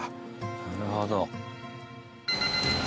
なるほど。